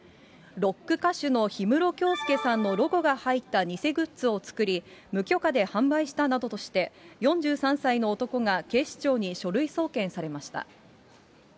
ロック歌手の氷室京介さんのロゴが入った偽グッズを作り、無許可で販売したなどとして、４３歳の男が警視庁に書類送検されました。